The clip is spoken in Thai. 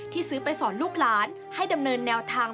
ซื้อไปสอนลูกหลานให้ดำเนินแนวทาง